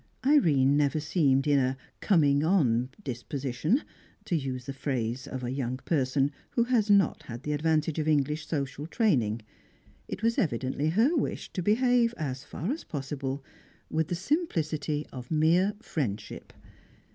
Irene never seemed in "a coming on disposition," to use the phrase of a young person who had not the advantage of English social training; it was evidently her wish to behave, as far as possible, with the simplicity of mere friendship.